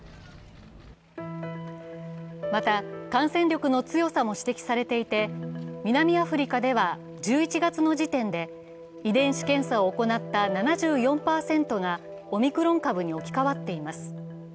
また、感染力の強さも指摘されていて、南アフリカでは１１月の時点で遺伝子検査を行った７４％がオミクロン株に置き換わっています。